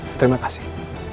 ya terima kasih